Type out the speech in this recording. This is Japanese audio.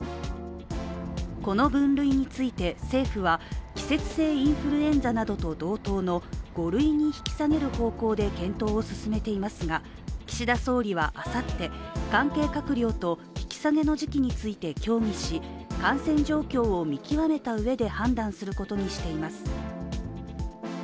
この分類について政府は、季節性インフルエンザなどと同等の５類に引き下げる方向で検討を進めていますが岸田総理はあさって、関係閣僚と引き下げの時期について協議し感染状況を見極めたうえで判断することにしています。